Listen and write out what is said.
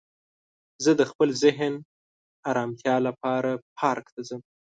زه د خپل ذهن ارامتیا لپاره پارک ته ځم